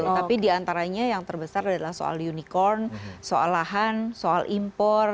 tapi diantaranya yang terbesar adalah soal unicorn soal lahan soal impor